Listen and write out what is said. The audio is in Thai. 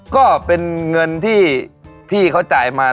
ก็เป็นเงินที่พี่เขาจ่ายมา